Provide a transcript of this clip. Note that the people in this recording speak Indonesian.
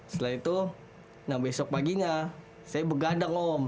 setelah itu nah besok paginya saya begadang om